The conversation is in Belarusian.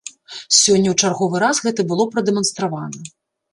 Сёння ў чарговы раз гэта было прадэманстравана.